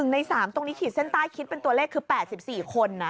ใน๓ตรงนี้ขีดเส้นใต้คิดเป็นตัวเลขคือ๘๔คน